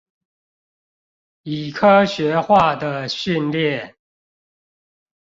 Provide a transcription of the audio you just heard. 以科學化的訓練